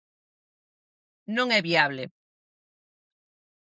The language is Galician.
Non é viable.